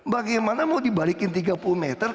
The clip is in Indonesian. bagaimana mau dibalikin tiga puluh meter